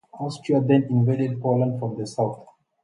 Austria then invaded Poland from the south.